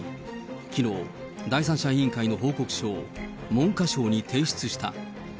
きのう、第三者委員会の報告書を文科省に提出した。